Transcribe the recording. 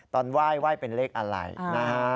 ตอนไหว้ไหว้เป็นเลขอะไรนะฮะ